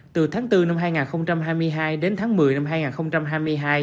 từ tháng bốn năm hai nghìn hai mươi hai đến tháng một mươi năm hai nghìn hai mươi hai